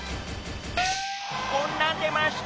こんなん出ました。